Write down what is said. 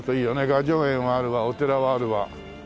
雅叙園はあるわお寺はあるわ。